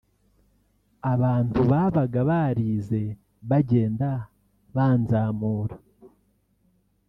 abantu babaga barize bagenda banzamura